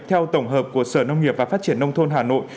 theo tổng hợp của sở nông nghiệp và phát triển nông thôn hà nội